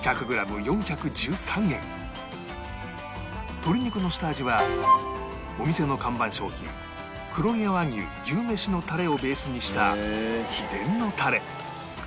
鶏肉の下味はお店の看板商品黒毛和牛牛めしのタレをベースにした秘伝のタレ